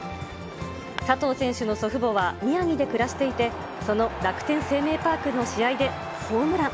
佐藤選手の祖父母は宮城で暮らしていて、その楽天生命パークの試合で、ホームラン。